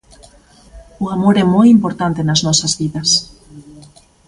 O amor é moi importante nas nosas vidas.